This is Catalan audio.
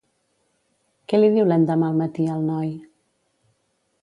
Què li diu l'endemà al matí al noi?